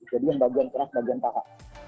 jadi yang bagian keras bagian paha